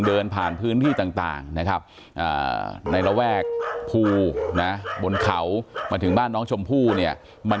เดินผ่านพื้นที่ต่างนะครับในระแวกภูนะบนเขามาถึงบ้านน้องชมพู่เนี่ยมัน